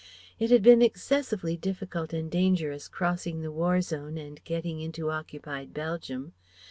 It had been excessively difficult and dangerous crossing the War zone and getting into occupied Belgium.